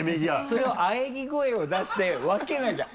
それをあえぎ声を出して分けなきゃ。